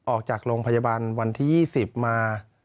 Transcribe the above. ออกจากโรงพยาบาลวันที่๒๐มา